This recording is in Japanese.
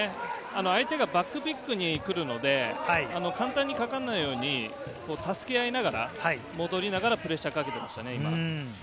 相手がバックピックに来るので、簡単にかからないように助け合いながら、戻りながらプレッシャーをかけていましたね。